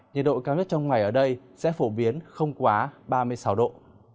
nhiệt độ cao nhất trong ngày ở đây sẽ phổ biến không quá ba mươi sáu độ